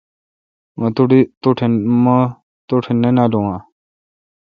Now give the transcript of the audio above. تو مہ ٹھ نہ نالون آں؟